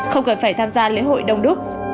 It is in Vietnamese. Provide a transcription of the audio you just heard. không cần phải tham gia lễ hội đông đúc